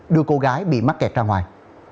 đưa cô gái bị mắc kẹt ra ngoài